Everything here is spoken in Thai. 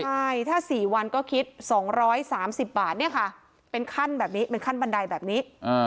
ใช่ถ้าสี่วันก็คิดสองร้อยสามสิบบาทเนี่ยค่ะเป็นขั้นแบบนี้เป็นขั้นบันไดแบบนี้